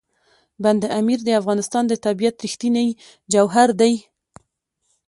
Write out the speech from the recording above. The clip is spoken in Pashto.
بند امیر د افغانستان د طبیعت رښتینی جوهر دی.